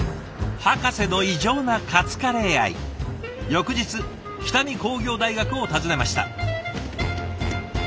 翌日北見工業大学を訪ねました。